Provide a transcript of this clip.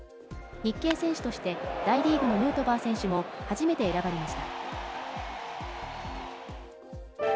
日系選手として、大リーグのヌートバー選手も初めて選ばれました。